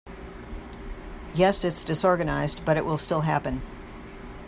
Yes, it’s disorganized but it will still happen.